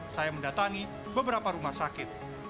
saya mendatangi beberapa rumah sakit